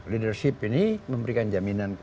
leadership ini memberikan jaminan